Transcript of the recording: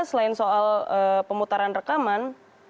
selain soal pemutaran rekaman